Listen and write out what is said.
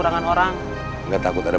sama orangnya gak ada